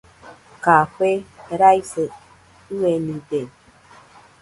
Café raise ɨenide.